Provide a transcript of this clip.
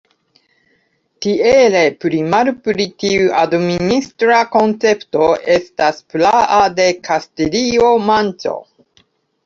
Tiele pli malpli tiu administra koncepto estas praa de Kastilio-Manĉo.